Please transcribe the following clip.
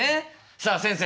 さあ先生